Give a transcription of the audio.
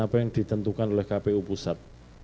apa yang ditentukan oleh kpu pusat